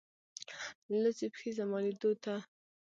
لڅي پښې زما لیدولو ته